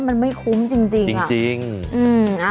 มันไม่คุ้มจริงจริงอ่ะจริงอืมนะ